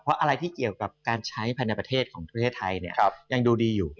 เพราะอะไรที่เกี่ยวกับการใช้ภายในประเทศของประเทศไทยเนี่ยยังดูดีอยู่